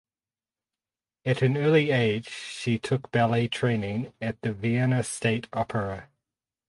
At an early age she took ballet training at the Vienna State Opera.